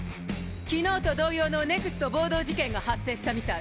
昨日と同様のＮＥＸＴ暴動事件が発生したみたい。